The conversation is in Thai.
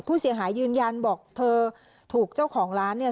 ผู้เสียหายยืนยันบอกเธอถูกเจ้าของร้านเนี่ย